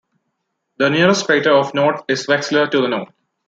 The nearest crater of note is Wexler to the north.